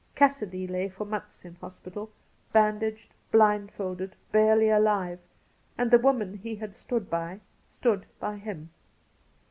Cassidy lay for months in hospital, bandaged, blindfolded, barely alive ; and the woman he had stood by, stood by him.